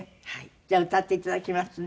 じゃあ歌っていただきますね。